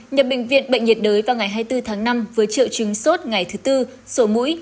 nhập bệnh viện bệnh nhiệt đới vào ngày hai mươi bốn tháng năm với triệu chứng sốt ngày thứ tư sổ mũi